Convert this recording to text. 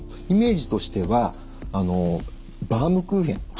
イメージとしてはバームクーヘン。